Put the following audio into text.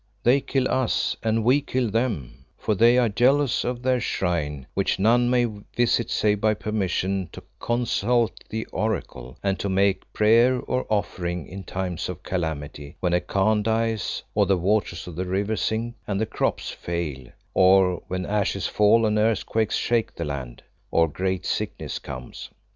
They kill us and we kill them, for they are jealous of their shrine, which none may visit save by permission, to consult the Oracle and to make prayer or offering in times of calamity, when a Khan dies, or the waters of the river sink and the crops fail, or when ashes fall and earthquakes shake the land, or great sickness comes.